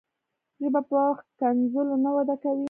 ژبه په ښکنځلو نه وده کوي.